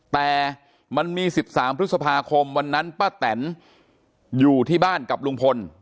แต่มันมี๑๓พฤษภาคมวันนั้นป้าแตนอยู่ที่บ้านกับลุงพล